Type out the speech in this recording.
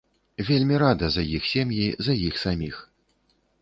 Вельмі рада за іх сем'і, за іх саміх.